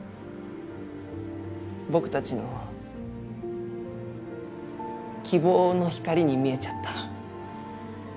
僕たちの希望の光に見えちゃった。